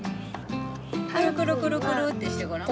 くるくるくるくるってしてごらん。